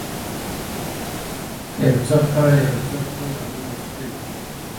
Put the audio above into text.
یو څه خړه یو څه توره نوره سپینه .